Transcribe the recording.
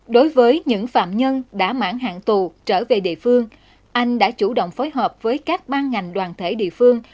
đối với những phạm nhân đã mãn hạn tù trở về địa phương anh đã chủ động phối hợp với các ban ngành đoàn thể địa phương